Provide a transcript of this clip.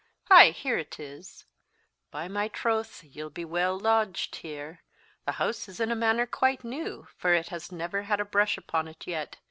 "Ay, here it is. By my troth, ye'll be weel lodged here. The hoose is in a manner quite new, for it has never had a brush upon it yet.